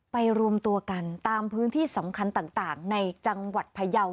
รวมตัวกันตามพื้นที่สำคัญต่างในจังหวัดพยาว